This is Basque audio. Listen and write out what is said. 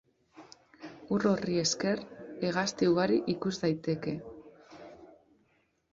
Ur horri esker hegazti ugari ikus daiteke.